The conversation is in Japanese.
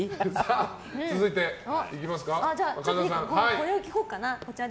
これを聞こうかな。